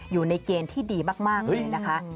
อยู่ในเกณฑ์ที่ดีมากเลยนะคะ